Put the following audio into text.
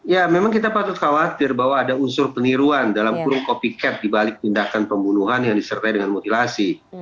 ya memang kita patut khawatir bahwa ada unsur peniruan dalam kurung copycat dibalik tindakan pembunuhan yang disertai dengan mutilasi